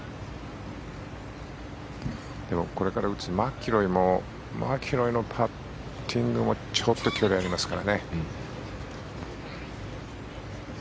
これから打つマキロイのパッティングもちょっと距離ありますからね。